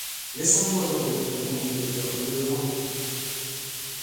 Laissons-nous adorer, répondit le docteur, mais de loin.